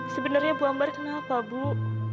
sebenarnya bu ambar kenal apa bu